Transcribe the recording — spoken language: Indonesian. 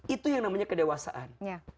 itu yang namanya kedewasaan